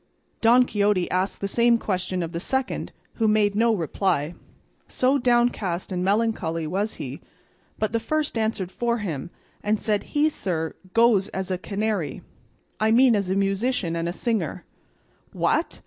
Don Quixote asked the same question of the second, who made no reply, so downcast and melancholy was he; but the first answered for him, and said, "He, sir, goes as a canary, I mean as a musician and a singer." "What!"